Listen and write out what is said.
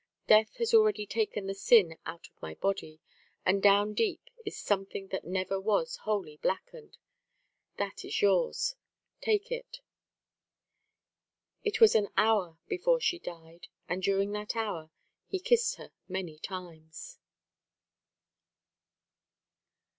Death has already taken the sin out of my body, and down deep is something that never was wholly blackened. That is yours. Take it." It was an hour before she died, and during that hour he kissed her many times.